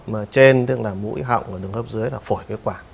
đường hô hấp trên tức là mũi hậu và đường hô hấp dưới là phổi miếng quả